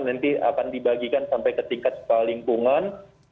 nanti akan dibagikan sampai ke tingkat lingkungan